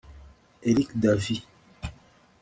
eric davis